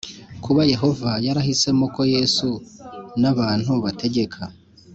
Kuba Yehova yarahisemo ko Yesu n abantu bategeka